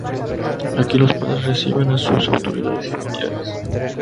Aquí los padres reciben a sus autoridades y familiares.